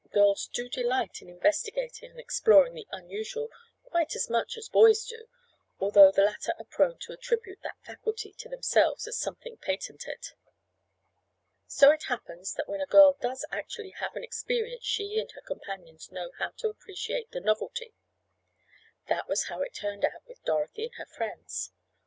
Girls do delight in investigating and exploring the unusual quite as much as boys do, although the latter are prone to attribute that faculty to themselves as something patented. So it happens that when a girl does actually have an experience she and her companions know how to appreciate the novelty. That was how it turned out with Dorothy and her friends.